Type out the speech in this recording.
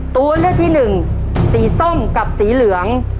ตัวเลือดที่๑สีส้มกับสีเหลือง